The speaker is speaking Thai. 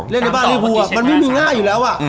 เล่นในบ้านลีฟูอ่ะมันไม่มีง่ายอยู่แล้วอ่ะ